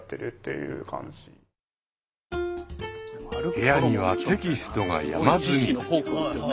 部屋にはテキストが山積み。